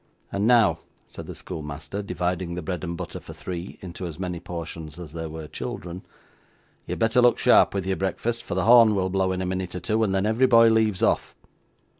'And now,' said the schoolmaster, dividing the bread and butter for three into as many portions as there were children, 'you had better look sharp with your breakfast, for the horn will blow in a minute or two, and then every boy leaves off.